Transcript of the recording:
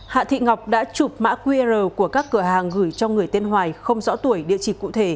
hạ thị ngọc đã chụp mã qr của các cửa hàng gửi cho người tên hoài không rõ tuổi địa chỉ cụ thể